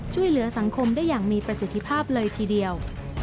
ช่วยเหลือสังคมได้อย่างมีประสิทธิภาพเลยทีเดียว